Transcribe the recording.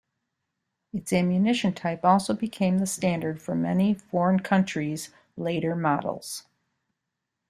Its ammunition type also became the standard for many foreign countries' later models.